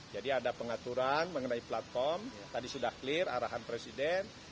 ada pengaturan mengenai platform tadi sudah clear arahan presiden